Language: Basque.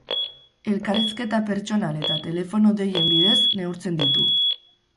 Elkarrizketa pertsonal eta telefono deien bidez neurtzen ditu.